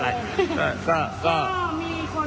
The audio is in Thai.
ก็มีคนมาเมื่อส่วนวันก่อนพวกกระโซเหมือนกัน